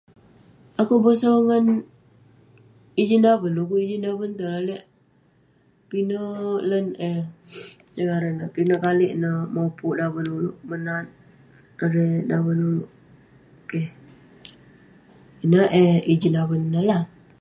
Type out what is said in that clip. Akouk bosau ngan ijin daven, dekuk ijin daven itouk lalek pinek lan eh inouk ngaran neh, pinek kalik neh mopuk daven ulouk, menat erei daven ulouk. Keh. Ineh eh ijin daven ineh lah.